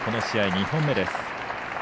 ２本目です。